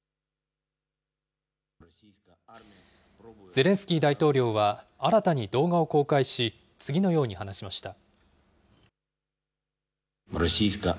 ゼレンスキー大統領は新たに動画を公開し、次のように話しました。